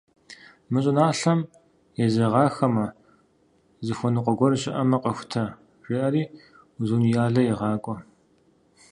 Мы щӀыналъэм езэгъахэмэ, зыхуэныкъуэ гуэр щыӀэмэ къэхутэ, - жеӀэри Узуняйла егъакӀуэ.